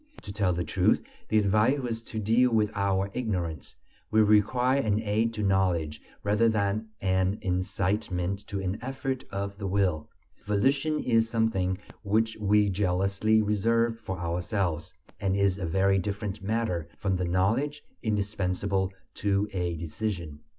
To tell the truth, the advice was to deal with our ignorance; we required an aid to knowledge rather than an incitement to an effort of the will. Volition is something which we jealously reserve for ourselves, and is a very different matter from the knowledge indispensable to a decision.